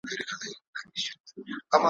وو ریښتونی په ریشتیا په خپل بیان کي ,